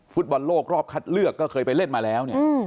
ฟุตบอลโลกรอบคัดเลือกก็เคยไปเล่นมาแล้วเนี่ย